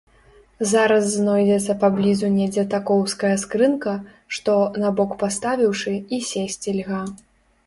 Зараз знойдзецца паблізу недзе такоўская скрынка, што, на бок паставіўшы, і сесці льга.